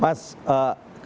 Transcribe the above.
mas kalau tentang